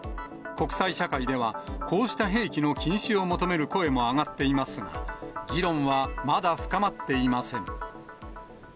国際社会では、こうした兵器の禁止を求める声も上がっていますが、議論はまだ深まっていません。